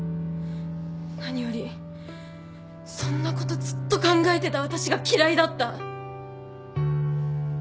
何よりそんなことずっと考えてた私が嫌いだった。